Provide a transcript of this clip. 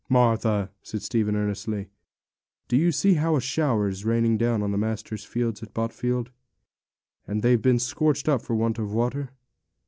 'Martha,' said Stephen earnestly, 'do you see how a shower is raining down on the master's fields at Botfield; and they've been scorched up for want of water?'